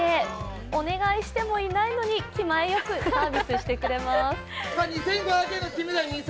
お願いしてもいないのに気前よくサービスしてくれます。